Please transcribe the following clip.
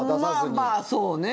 まあまあ、そうね。